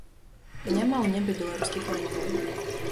Няма ў небе беларускіх лайнераў.